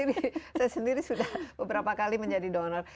ini kalau donor darah saya sendiri sudah beberapa kali menjadi donor